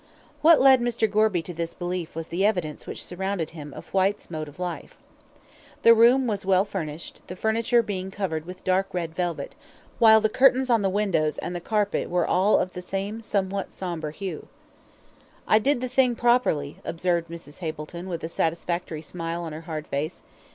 What led Mr. Gorby to this belief was the evidence which surrounded him of Whyte's mode of life. The room was well furnished, the furniture being covered with dark red velvet, while the curtains on the windows and the carpet were all of the same somewhat sombre hue. "I did the thing properly," observed Mrs. Hableton, with a satisfactory smile on her hard face.